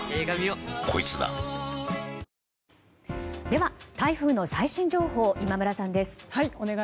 では台風の最新情報を今村さんです。